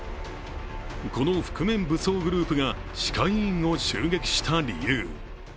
この覆面武装グループが歯科医院を襲撃した理由